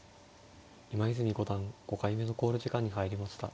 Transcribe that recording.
今泉五段５回目の考慮時間に入りました。